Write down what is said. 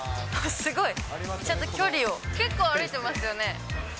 すごい、ちゃんと距離を、結構歩いてますよね。